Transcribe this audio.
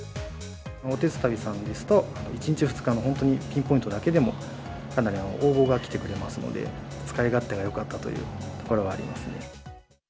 おてつたびさんですと、１日、２日の本当にピンポイントだけでも、かなり応募が来てくれますので、使い勝手がよかったというところはありますね。